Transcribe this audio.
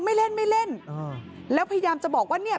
ไม่เล่นไม่เล่นอ่าแล้วพยายามจะบอกว่าเนี่ย